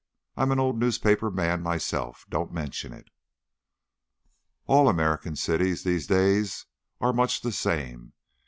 I'm an old newspaper man myself. Don't mention it." All American cities, these days, are much the same.